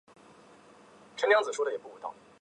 据说目前日本存有河童的木乃伊。